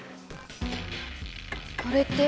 これって。